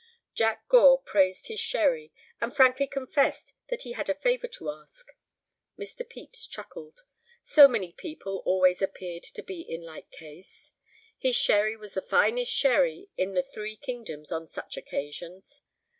Jack Gore praised his sherry, and frankly confessed that he had a favor to ask. Mr. Pepys chuckled. So many people always appeared to be in like case. His sherry was the finest sherry in the three kingdoms on such occasions.